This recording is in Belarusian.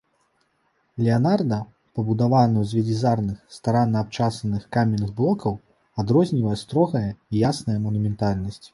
Леанарда, пабудаваную з велізарных, старанна абчасаных каменных блокаў, адрознівае строгая і ясная манументальнасць.